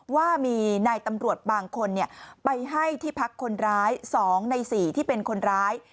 ว่ามีนายตำรวจบางคนไปให้ที่พักคนร้าย๒ใน๔ที่เป็นคนร้าย